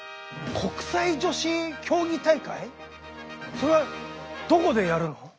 それはどこでやるの？